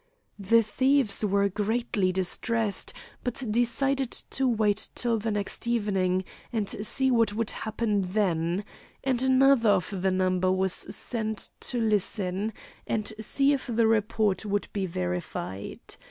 The thieves were greatly distressed, but decided to wait till the next evening and see what would happen then, and another of the number was sent to listen and see if the report would be verified.